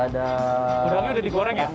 udangnya udah digoreng ya